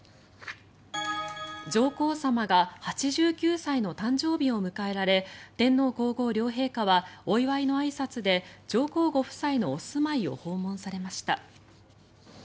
上皇さまが８９歳の誕生日を迎えられ天皇・皇后両陛下はお祝いのあいさつで上皇ご夫妻のお住まいを訪問されました。